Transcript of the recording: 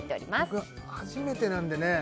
僕初めてなんでね